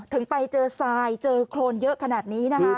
ถึงไปเจอทรายเจอโครนเยอะขนาดนี้นะคะ